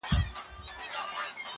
اردلیانو خبراوه له هر آفته!